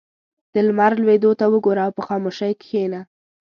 • د لمر لوېدو ته وګوره او په خاموشۍ کښېنه.